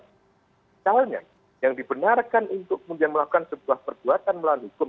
misalnya yang dibenarkan untuk kemudian melakukan sebuah perbuatan melawan hukum